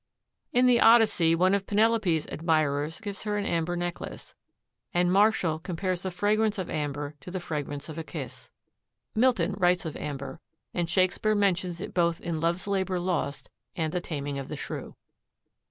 In the Odyssey one of Penelope's admirers gives her an amber necklace, and Martial compares the fragrance of amber to the fragrance of a kiss. Milton writes of amber and Shakespeare mentions it both in "Love's Labor Lost" and "The Taming of the Shrew."